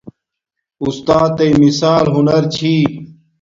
اُستاتݵ مثال ہنر چھی